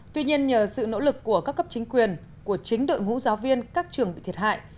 tuy nhiên nhờ sự nỗ lực của các cấp chính quyền của chính đội ngũ giáo viên các trường bị thiệt hại